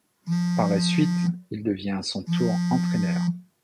Par la suite, il devient à son tour entraîneur.